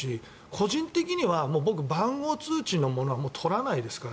個人的には僕、番号通知のものはもう取らないですから